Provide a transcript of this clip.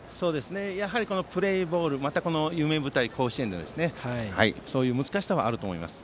やはりプレーボールまたこの夢舞台、甲子園でそういう難しさもあると思います。